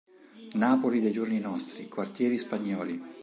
Napoli dei giorni nostri, quartieri spagnoli.